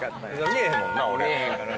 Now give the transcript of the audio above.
見えへんもんな俺ら。